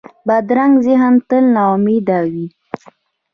بدرنګه ذهن تل ناامیده وي